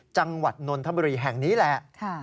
จังหวัดนนทบุรีแห่งนี้แหละ